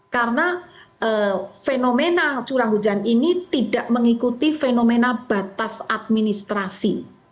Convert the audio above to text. karena fenomena curah hujan ini tidak mengikuti fenomena batas administrasi